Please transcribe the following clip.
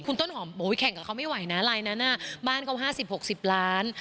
คุณต้นหอมแข่งกับเขาไม่ไหวนะลายนั้นบ้านเขา๕๐๖๐ล้าน